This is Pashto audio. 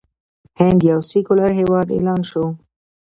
هند یو سیکولر هیواد اعلان شو.